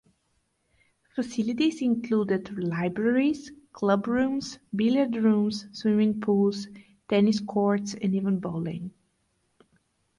Facilities included libraries, club rooms, billiard rooms, swimming pools, tennis courts and even bowling.